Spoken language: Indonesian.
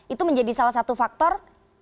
itu menjadi salah satu faktor